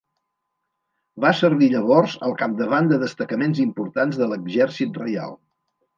Va servir llavors al capdavant de destacaments importants de l'exèrcit reial.